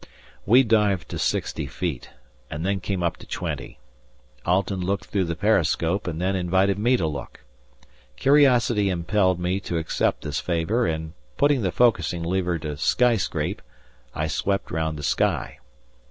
We dived to sixty feet, and then came up to twenty. Alten looked through the periscope, and then invited me to look. Curiosity impelled me to accept this favour and, putting the focussing lever to "skyscrape" I swept round the sky.